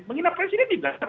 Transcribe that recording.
menghina presiden tidak